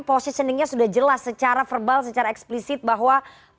positioningnya sudah jelas secara verbal secara eksplisit bahwa